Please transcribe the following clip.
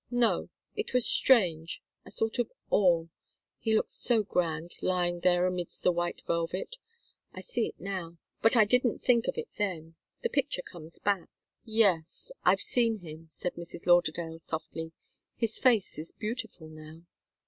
No it was strange a sort of awe. He looked so grand, lying there amidst the white velvet! I see it now, but I didn't think of it then the picture comes back " "Yes I've seen him," said Mrs. Lauderdale, softly. "His face is beautiful now."